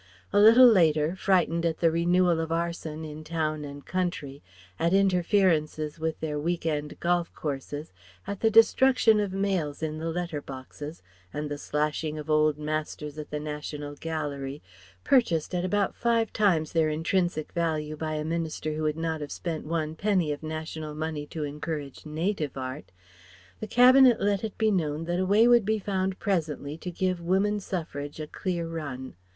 A little later, frightened at the renewal of arson in town and country, at interferences with their week end golf courses, at the destruction of mails in the letter boxes, and the slashing of Old Masters at the National Gallery (purchased at about five times their intrinsic value by a minister who would not have spent one penny of national money to encourage native art), the Cabinet let it be known that a way would be found presently to give Woman Suffrage a clear run.